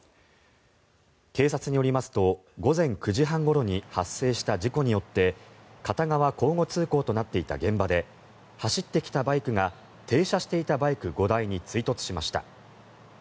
警察によりますと午前９時半ごろに発生した事故によって片側交互通行となっていた現場で走ってきたバイクが停車していたバイク５台に追突しました。